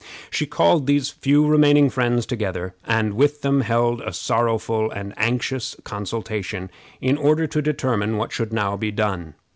She called these few remaining friends together, and with them held a sorrowful and anxious consultation, in order to determine what should now be done.